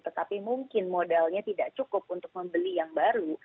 tetapi mungkin modalnya tidak cukup untuk membeli yang baru